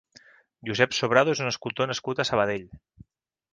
Josep Sobrado és un escultor nascut a Sabadell.